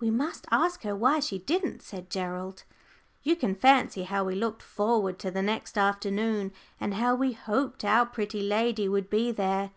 "We must ask her why she didn't," said Gerald. You can fancy how we looked forward to the next afternoon, and how we hoped our pretty lady would be there.